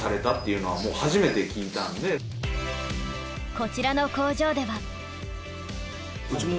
こちらの工場では。